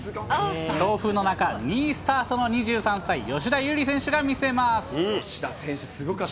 強風の中、２位スタートの２３歳、吉田選手、すごかったです。